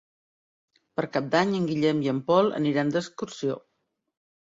Per Cap d'Any en Guillem i en Pol aniran d'excursió.